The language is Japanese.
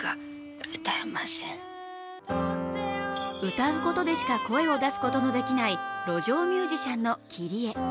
歌うことでしか声を出すことのできない路上ミュージシャンのキリエ。